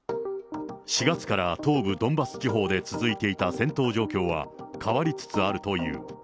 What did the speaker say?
４月から東部ドンバス地方で続いていた戦闘状況は変わりつつあるという。